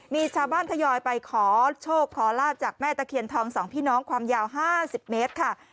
มีชาวบ้านทยอยไปขอโชคขอลาบจากแม่ตะเคียนทองสองพี่น้องความยาว๕๐เมตรค่ะ